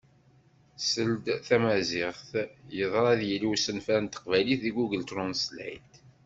Seld Tamaziɣt, yadra ad yili usenfar n Teqbaylit di Google Translate?